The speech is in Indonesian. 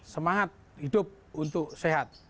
semangat hidup untuk sehat